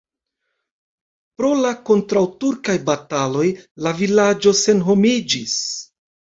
Pro la kontraŭturkaj bataloj la vilaĝo senhomiĝis.